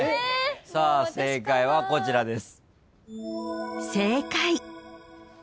さあ正解はこちらです。